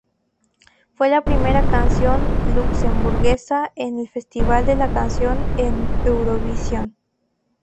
Fue la primera canción luxemburguesa en el Festival de la Canción de Eurovisión.